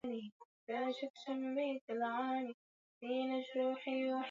Watu kumi wakiwemo wanajeshi tisa walifikishwa mahakamani huko Jamhuri ya Kidemokrasi ya Kongo.